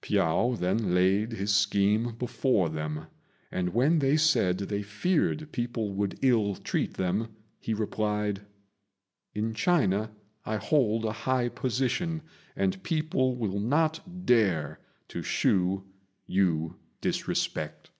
Piao then laid his scheme before them, and when they said they feared people would ill treat them, he replied, "In China I hold a high position, and people will not dare to shew you disrespect."